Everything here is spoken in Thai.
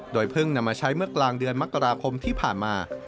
โดยเพิ่งนำมาใช้เมื่อกลางเดือนมกราคมที่ผ่านมา